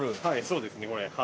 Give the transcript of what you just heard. はいそうですねこれ。